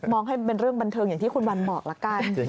ให้เป็นเรื่องบันเทิงอย่างที่คุณวันบอกละกัน